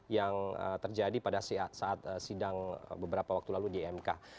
yang terjadi pada saat sidang beberapa waktu lalu di mk